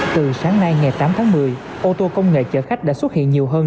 từ sáng nay ngày tám tháng một mươi ô tô công nghệ chở khách đã xuất hiện nhiều hơn